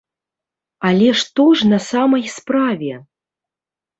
Але што ж на самай справе?